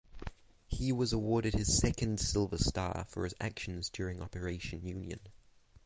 He was awarded his second Silver Star for his actions during Operation Union.